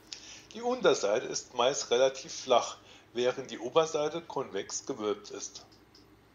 Die Unterseite ist meist relativ flach, während die Oberseite konvex gewölbt ist.